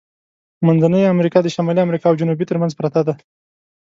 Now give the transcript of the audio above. منځنۍ امریکا د شمالی امریکا او جنوبي ترمنځ پرته ده.